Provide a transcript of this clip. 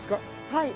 はい。